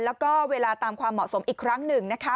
แล้วก็เวลาตามความเหมาะสมอีกครั้งหนึ่งนะคะ